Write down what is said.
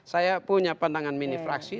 saya punya pandangan mini fraksi